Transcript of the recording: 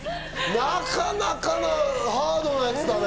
なかなかのハードなやつだね。